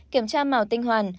kiểm tra màu tinh hoàn